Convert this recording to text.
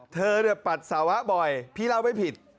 เธอปัสสาวะบ่อยพี่เล่าไม่ผิด